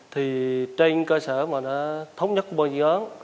thì trên cơ sở mà nó thống nhất bao nhiêu ấn